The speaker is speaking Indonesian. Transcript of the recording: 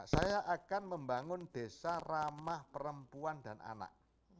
saya akan membangun desa ramah perempuan dan anak